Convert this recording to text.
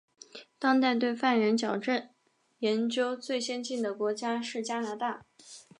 当代对犯人矫治研究最先进的国家是加拿大。